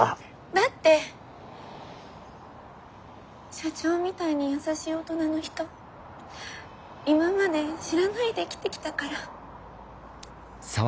だって社長みたいに優しい大人の人今まで知らないで生きてきたから。